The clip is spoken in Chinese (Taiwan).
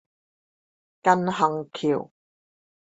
靳珩橋